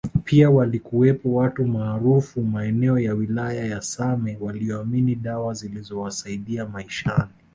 Pia walikuwepo watu maarufu maeneo ya wilaya ya same walioamini dawa zilizowasaidia maishani